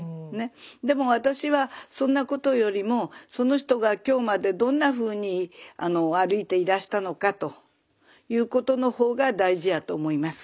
でも私はそんなことよりもその人が今日までどんなふうに歩いていらしたのかということの方が大事やと思います。